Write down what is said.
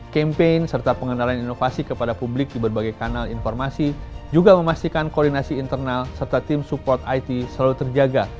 campaign serta pengenalan inovasi kepada publik di berbagai kanal informasi juga memastikan koordinasi internal serta tim support it selalu terjaga